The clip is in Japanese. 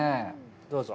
どうぞ。